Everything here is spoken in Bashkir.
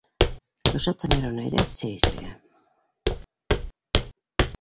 — Гөлшат Әмировна, әйҙәгеҙ, сәй эсергә.